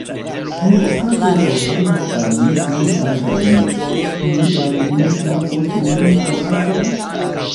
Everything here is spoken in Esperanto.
Tiuokaze ni ordonos al li kuri antaŭ ni: kiu el ni trafos lin kurantan?